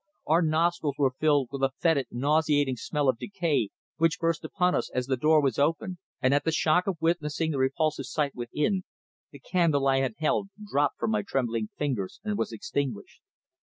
Our nostrils were filled with a foetid, nauseating smell of decay which burst upon us as the door was opened, and at the shock of witnessing the repulsive sight within, the candle I had held dropped from my trembling fingers and was extinguished.